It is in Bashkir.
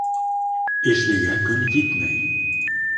Эшлегә көн етмәй